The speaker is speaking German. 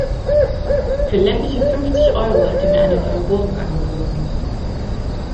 Für läppische fünfzig Euro hat er mir eine neue Bohrung angeboten.